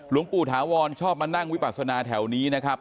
หลวงปู่ถาวรชอบมานั่งวิปัสนาแถวนี้นะครับ